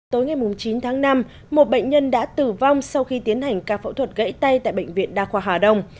tối ngày chín tháng năm một bệnh nhân đã tử vong sau khi tiến hành ca phẫu thuật gãy tay tại bệnh viện đa khoa hà đông